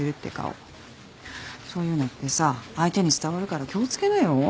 そういうのってさ相手に伝わるから気を付けなよ。